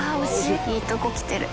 いいとこきてる。